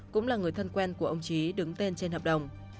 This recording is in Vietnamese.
cũng là người thân quen của ông trí đứng tên trên hợp đồng